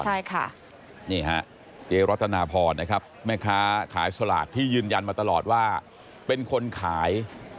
ใช่ค่ะนี่ฮะเจรัตนาพรนะครับแม่ค้าขายสลากที่ยืนยันมาตลอดว่าเป็นคนขาย